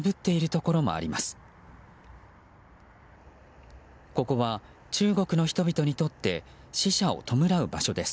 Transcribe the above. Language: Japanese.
ここは中国の人々にとって死者を弔う場所です。